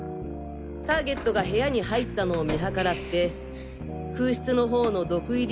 ターゲットが部屋に入ったのを見計らって空室のほうの毒入り